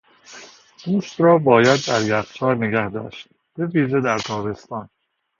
گوشت را باید در یخچال نگهداشت، به ویژه در تابستان.